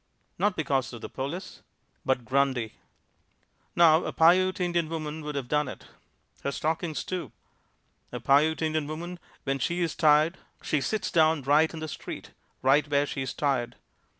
Not because of the police but Grundy. Now a Piute Indian woman could have done it. Her stockings too. A Piute Indian woman when she's tired she sits down right in the street, right where she's tired.